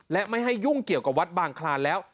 และไม่ให้ยุ่งเกี่ยวกับวัดบางคลานแล้ว